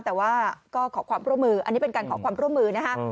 แต่ว่าก็ขอความร่วมมืออันนี้เป็นการขอความร่วมมือนะฮะ